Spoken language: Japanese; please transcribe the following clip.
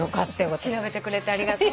調べてくれてありがとう。